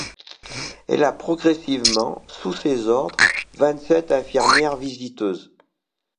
Elle a progressivement sous ses ordres vingt-sept infirmières visiteuses.